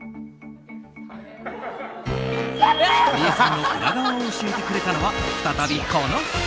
ゴリエさんの裏側を教えてくれたのは再び、この人。